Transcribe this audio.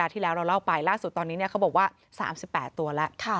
ที่แล้วเราเล่าไปล่าสุดตอนนี้เขาบอกว่า๓๘ตัวแล้ว